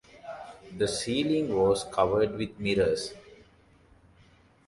The ceiling was covered with mirrors.